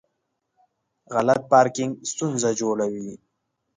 غلط پارکینګ ستونزه جوړوي.